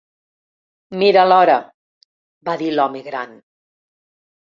'Mira l'hora', va dir l'home gran.